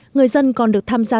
người dân còn được tham gia